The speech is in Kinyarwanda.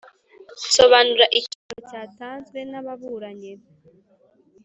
nsobanura ikirego cyatanzwe n ababuranyi